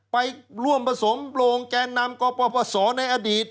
ไปร่วมผสมโลงแกนนำก็ประสอบในอดีต